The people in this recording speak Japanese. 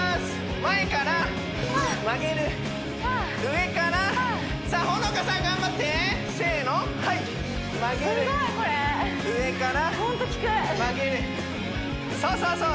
前から曲げる上からさあほのかさん頑張ってせーの曲げる上から曲げるそうそう